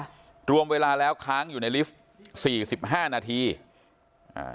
รวมเวลาแล้วค้างอยู่ในลิฟต์สี่สิบห้านาทีอ่า